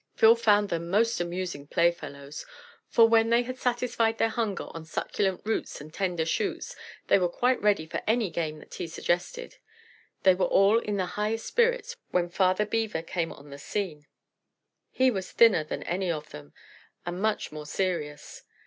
Phil found them most amusing play fellows, for when they had satisfied their hunger on succulent roots and tender shoots they were quite ready for any game that he suggested. They were all in the highest spirits when Father Beaver came on the scene. He was thinner than any of them, and much more serious.